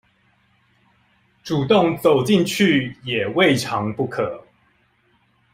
主動走進去也未嘗不可